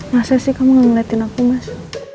masa sih kamu ngeliatin aku mas